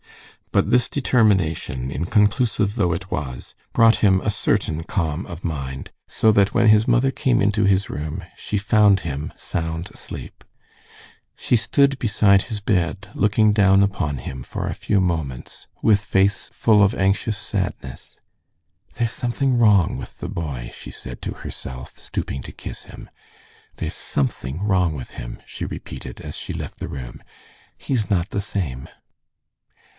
But this determination, inconclusive though it was, brought him a certain calm of mind, so that when his mother came into his room she found him sound asleep. She stood beside his bed looking down upon him for a few moments, with face full of anxious sadness. "There's something wrong with the boy," she said to herself, stooping to kiss him. "There's something wrong with him," she repeated, as she left the room. "He's not the same."